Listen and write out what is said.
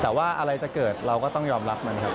แต่ว่าอะไรจะเกิดเราก็ต้องยอมรับมันครับ